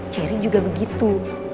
cherry juga begitu